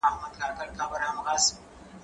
ځواب وليکه؟!